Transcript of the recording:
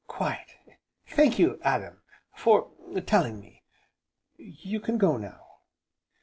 "Quite! Thank you, Adam for telling me. You can go now."